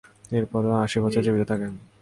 এর পরেও আশি বছর জীবিত থাকেন।